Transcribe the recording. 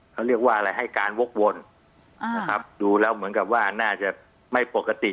เขาเรียกว่าอะไรให้การวกวนนะครับดูแล้วเหมือนกับว่าน่าจะไม่ปกติ